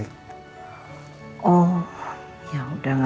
iya tapi ada kemungkinan mungkin